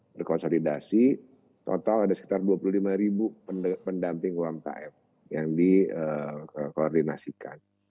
berkonsolidasi total ada sekitar dua puluh lima ribu pendamping umkm yang dikoordinasikan